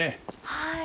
はい。